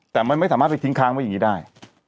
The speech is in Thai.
แต่มันไม่สามารถไปทิ้งค้างไว้อย่างนี้ได้